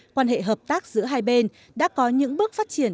quan hệ hợp tác giữa hai bên đã có những bước phát triển